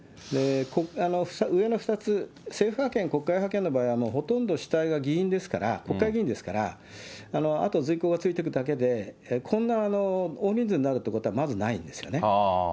上の２つ、政府派遣、国会派遣の場合はほとんど主体が議員ですから、国会議員ですから、あと随行が付いていくだけでこんな大人数になるということはまずないんですよね。